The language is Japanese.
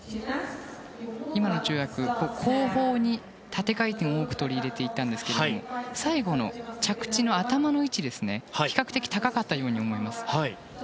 今の跳躍、後方に縦回転を多く取り入れていたんですけど最後の着地の頭の位置が比較的高かったように思います。